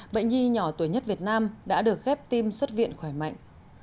bệnh nhi nhỏ tuổi nhất việt nam đã được ghép tim xuất viện khỏe mạnh